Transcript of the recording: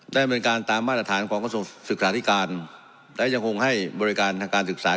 ดำเนินการตามมาตรฐานของกระทรวงศึกษาธิการและยังคงให้บริการทางการศึกษา